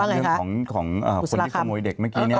ว่าไงคะอุศลคัมเรื่องของคนที่ขโมยเด็กเมื่อกี้เนี่ย